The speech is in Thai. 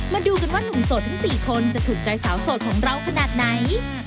มาดูกันว่าหนุ่มโสดทั้ง๔คนจะถูกใจสาวโสดของเราขนาดไหน